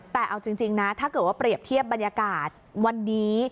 แต่เอาจริงนะถ้าเกิดว่าเปรียบเทียบบรรยากาศวันนี้